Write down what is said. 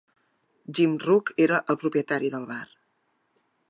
Jim Rook era el propietari del bar.